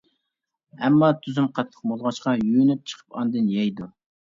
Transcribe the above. ئەمما تۈزۈم قاتتىق بولغاچقا، يۇيۇنۇپ چىقىپ ئاندىن يەيدۇ.